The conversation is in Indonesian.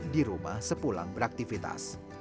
di rumah sepulang beraktivitas